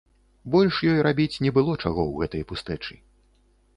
Больш ёй рабіць не было чаго ў гэтай пустэчы.